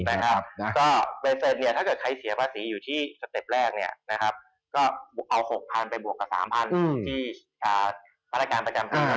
ถ้าเกิดใครเสียภาษีอยู่ที่สเต็ปแรกเนี่ยนะครับก็เอา๖๐๐๐ไปบวกกับ๓๐๐๐ที่ประการประกันประกัน